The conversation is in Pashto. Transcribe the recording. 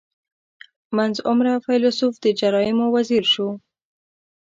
• منځ عمره فېلېسوف د جرایمو وزیر شو.